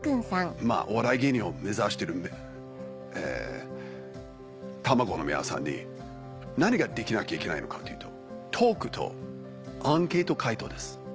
お笑い芸人を目指してる卵の皆さんに何ができなきゃいけないのかっていうとトークとアンケート回答です。